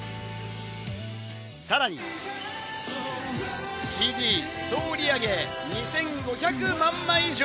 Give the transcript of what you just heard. さらに、ＣＤ総売り上げ２５００万枚以上。